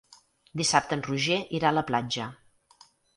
Dissabte en Roger irà a la platja.